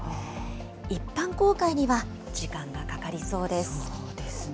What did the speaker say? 一般公開には時間がかかりそうです。